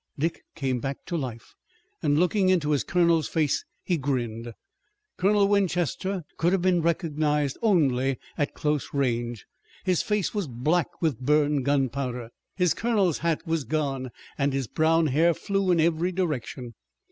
Dick came back to life, and, looking into his colonel's face, he grinned. Colonel Winchester could have been recognized only at close range. His face was black with burned gunpowder. His colonel's hat was gone and his brown hair flew in every direction.